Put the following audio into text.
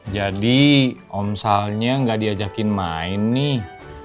jadi omsalnya gak diajakin main nih